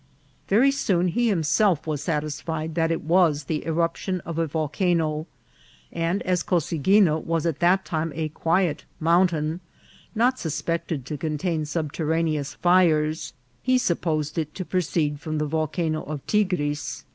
Very soon he himself was satisfied that it was the eruption of a vol cano ; and as Cosaguina was at that time a quiet mountain, not suspected to contain subterraneous fires, he supposed it to proceed from the Volcano of Tigris.